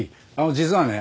実はね